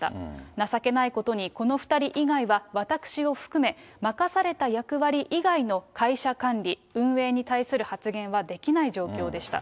情けないことに、この２人以外は、私を含め、任された役割以外の会社管理、運営に対する発言はできない状況でした。